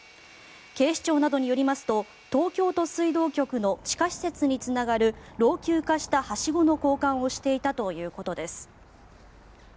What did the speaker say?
警視庁などによりますと東京都水道局の地下施設につながる老朽化したはしごの交換をしていたということです。